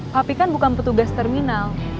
tapi kan bukan petugas terminal